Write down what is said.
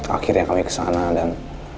akhirnya kami kesana dan